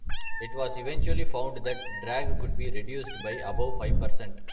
It was eventually found that drag could be reduced by about five percent.